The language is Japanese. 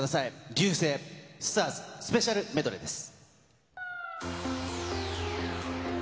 Ｒ．Ｙ．Ｕ．Ｓ．Ｅ．Ｉ．、ＳＴＡＲＳ、スペシャルメドレーです。